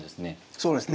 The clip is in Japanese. そうですね。